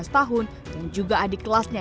lima belas tahun dan juga adik kelasnya